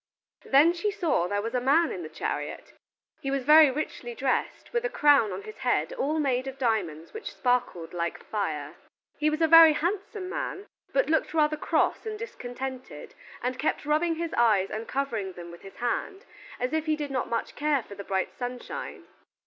Then she saw there was a man in the chariot. He was very richly dressed, with a crown on his head all made of diamonds which sparkled like fire. He was a very handsome man, but looked rather cross and discontented, and he kept rubbing his eyes and covering them with his hand, as if he did not care much for the bright sunshine.